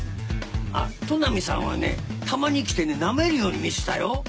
あっ都波さんはねたまに来てねなめるように見てたよ。